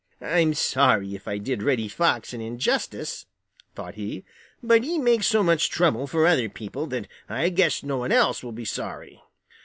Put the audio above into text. "I'm sorry if I did Reddy Fox an injustice," thought he, "but he makes so much trouble for other people that I guess no one else will be sorry.